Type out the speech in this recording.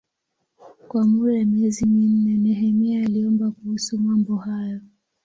Kwa muda wa miezi minne Nehemia aliomba kuhusu mambo hayo.